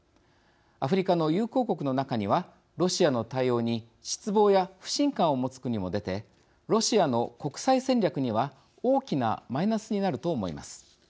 アフリカの友好国の中にはロシアの対応に失望や不信感を持つ国も出てロシアの国際戦略には大きなマイナスになると思います。